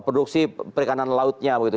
produksi perikanan lautnya begitu